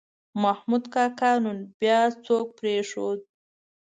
محمود کاکا نن بیا څوک پرېښود.